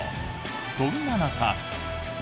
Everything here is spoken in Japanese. そんな中。